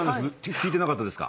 聞いてなかったですか？